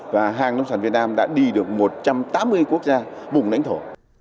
và hàng nông sản việt nam đã đi được một trăm tám mươi quốc gia vùng lãnh thổ